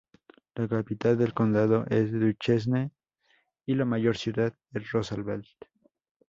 La capital del condado es Duchesne y la mayor ciudad es Roosevelt.